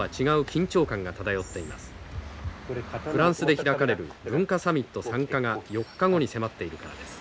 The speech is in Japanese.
フランスで開かれる文化サミット参加が４日後に迫っているからです。